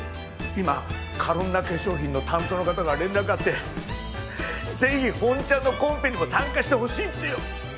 今カロンナ化粧品の担当の方から連絡あってぜひ本チャンのコンペにも参加してほしいってよ！